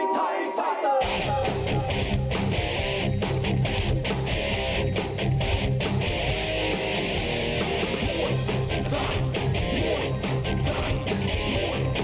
สวัสดีครับ